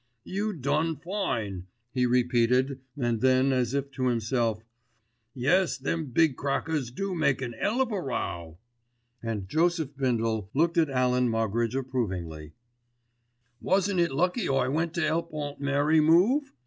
"You done fine," he repeated, and then as if to himself, "Yes, them big crackers do make an 'ell of a row." And Joseph Bindle looked at Alan Moggridge approvingly. "Wasn't it lucky I went to help Aunt Mary move?